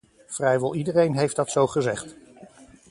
Vrijwel iedereen heeft dat zo gezegd.